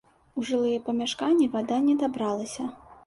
У жылыя памяшканні вада не дабралася.